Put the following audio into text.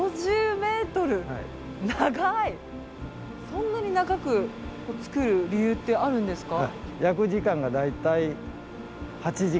そんなに長く作る理由ってあるんですか？